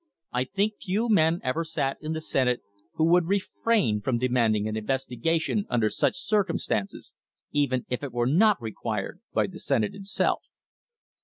... I think few men ever sat in the Senate who would refrain from demanding an inves tigation under such circumstances, even if it were not required by the Senate itself.